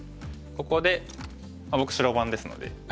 ここで僕白番ですので。